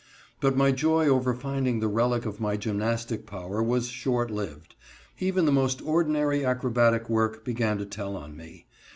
But my joy over finding the relic of my gymnastic power was short lived. Even the most ordinary acrobatic work began to tell on me.